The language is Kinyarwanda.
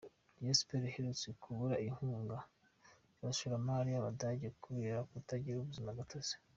Rayon Sports iherutse kubura inkunga z’abashoramari b’Abadage kubera kutagira ubuzima gatozi.